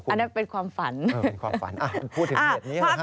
อันนั้นเป็นความฝันนะครับพูดถึงเหตุนี้เหรอฮะฮ่าฮ่า